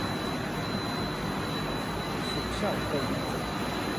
山椤为楝科米仔兰属下的一个种。